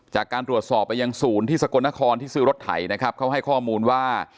จากการตรวจสอบไปยังศูนย์ที่สกลนครที่ซื้อรถไถนะครับเขาให้ข้อมูลว่า